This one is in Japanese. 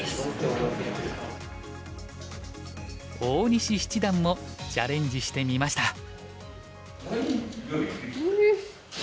大西七段もチャレンジしてみました。